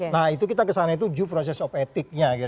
nah itu kita kesana itu due process of ethicnya